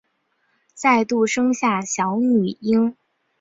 再度生下小女婴